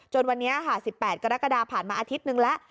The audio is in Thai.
วันนี้ค่ะ๑๘กรกฎาผ่านมาอาทิตย์นึงแล้ว